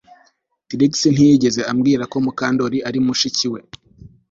Trix ntiyigeze ambwira ko Mukandoli yari mushiki we